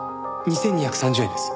２２３０円です。